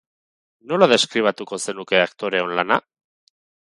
Nola deskribatuko zenuke aktoreon lana?